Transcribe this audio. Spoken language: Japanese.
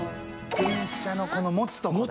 電車のこの持つとこだ。